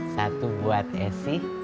satu buat esi